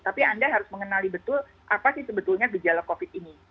tapi anda harus mengenali betul apa sih sebetulnya gejala covid ini